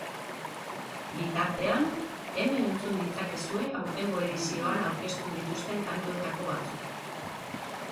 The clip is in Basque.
Bitartean, hemen entzun ditzakezue aurtengo edizioan aurkeztu dituzten kantuetako batzuk.